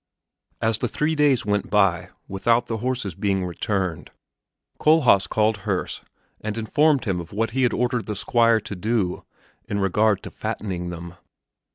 As the three days went by without the horses being returned, Kohlhaas called Herse and informed him of what he had ordered the Squire to do in regard to fattening them.